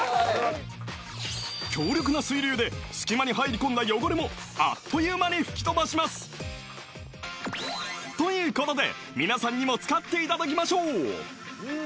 強力な水流で隙間に入り込んだ汚れもあっという間に吹き飛ばしますということで皆さんにも使っていただきましょううん！